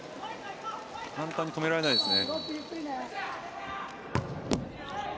簡単に止められないですね。